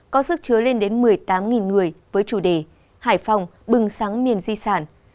có sức chứa lên đến một mươi tám người với chủ đề hải phòng bừng sáng miền di sản